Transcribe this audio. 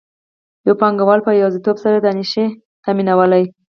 یو پانګوال په یوازیتوب سره دا نشي تامینولی